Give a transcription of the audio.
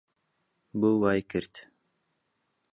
بۆ وای کرد؟